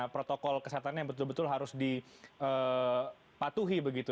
protokol kehatannya yang betul betul harus dipatuhi begitu